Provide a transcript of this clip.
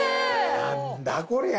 何だこりゃあ。